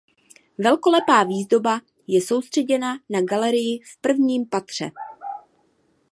Velkolepá výzdoba je soustředěna na galerii v prvním patře.